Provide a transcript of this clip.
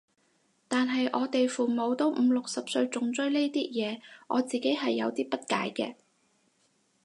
但係我哋父母都五六十歲仲追呢啲嘢，我自己係有啲不解嘅